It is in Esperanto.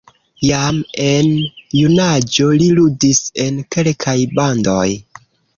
Jam en junaĝo li ludis en kelkaj bandoj.